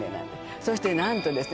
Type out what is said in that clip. そしてなんとですね